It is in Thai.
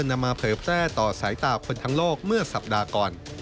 นำมาเผยแพร่ต่อสายตาคนทั้งโลกเมื่อสัปดาห์ก่อน